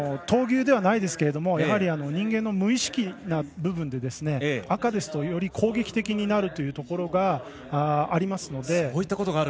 闘牛ではないですけど人間の無意識な部分で赤ですと、より攻撃的になるというところがありますので。